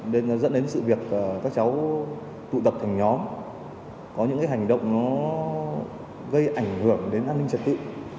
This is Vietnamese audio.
dẫn đến sự việc các cháu tụ tập thành nhóm có những hành động gây ảnh hưởng đến an ninh trật tự